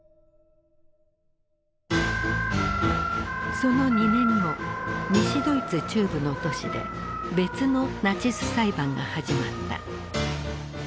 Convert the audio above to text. その２年後西ドイツ中部の都市で別のナチス裁判が始まった。